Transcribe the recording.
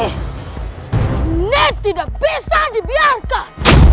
ini tidak bisa dibiarkan